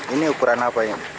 ini ukuran apa ya